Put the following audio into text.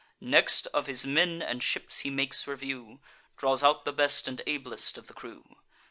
Next, of his men and ships he makes review; Draws out the best and ablest of the crew.